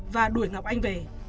và đuổi ngọc anh về